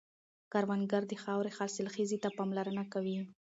کروندګر د خاورې حاصلخېزي ته پاملرنه کوي